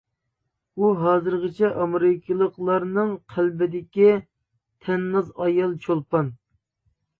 ئۇ ھازىرغىچە ئامېرىكىلىقلارنىڭ قەلبىدىكى «تەنناز ئايال چولپان».